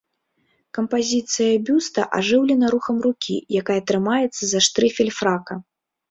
Кампазіцыя бюста ажыўлена рухам рукі, якая трымаецца за штрыфель фрака.